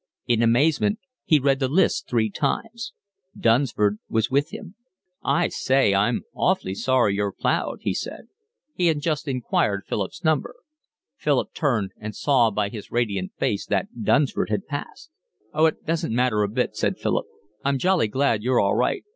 In amazement he read the list three times. Dunsford was with him. "I say, I'm awfully sorry you're ploughed," he said. He had just inquired Philip's number. Philip turned and saw by his radiant face that Dunsford had passed. "Oh, it doesn't matter a bit," said Philip. "I'm jolly glad you're all right.